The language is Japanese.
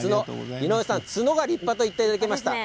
井上さん、角が立派と言っていただきました。